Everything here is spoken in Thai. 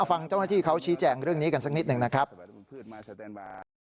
ฟังเจ้าหน้าที่เขาชี้แจงเรื่องนี้กันสักนิดหนึ่งนะครับ